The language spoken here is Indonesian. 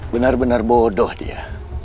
benar benar bodoh dia